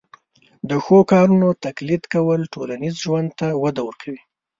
د ښو کارونو تقلید کول ټولنیز ژوند ته وده ورکوي.